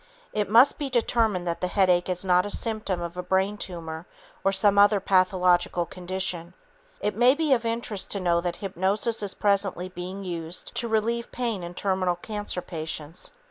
It must be determined that the headache is not a symptom of a brain tumor or some other pathological condition. It may be of interest to know that hypnosis is presently being used to relieve pain in terminal cancer patients.